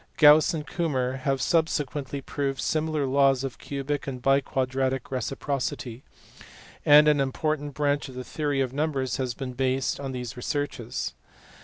Gauss and Kummer have subsequently proved similar laws of cubic and biquadratic reciprocity ; and an important branch of the theory of numbers has been based on these researches.